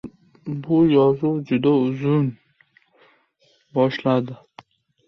— Ha, — dedi raisimiz, — xo‘jaligimizda uch mingdan ziyod xonadon bor!